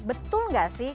betul gak sih